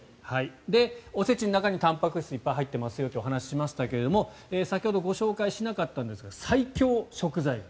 お節の中にたんぱく質がいっぱい入ってますよというお話ししましたけれども先ほどご紹介しなかったんですが最強食材。